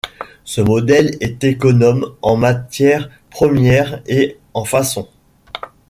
Ce modèle est économe en matières premières et en façon.